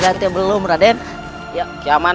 tapi kan bagaimana dengan yulian